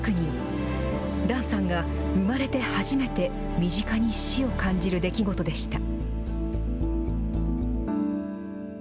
檀さんが生まれて初めて身近に死を感じる出来事でした。